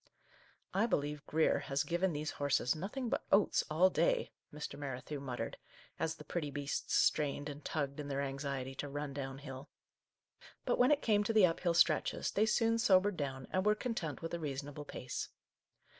" I believe Grier has given these horses nothing but oats all day," Mr. Merrithew muttered, as the pretty beasts strained and tugged in their anxiety to run down hill ; but when it came to the up hill stretches, they soon sobered down, and were content with a reasonable pace.